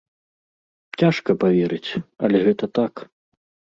Цяжка паверыць, але гэта так.